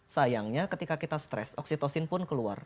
sayangnya ketika kita stres oksitosin pun keluar